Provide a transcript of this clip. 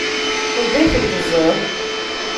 Anda ay tent-teẓẓiḍ?